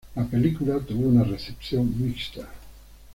La película tuvo una recepción mixta.